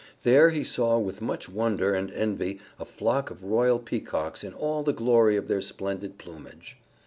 There he saw with much wonder and envy a flock of royal Peacocks in all the glory of their splendid plumage.